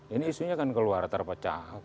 ini isunya kan keluar terpecah